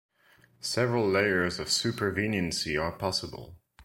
Several layers of superveniency are possible.